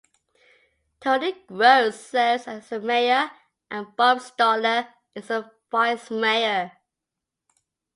Tony Gross serves as the mayor, and Bob Stohler is the vice-mayor.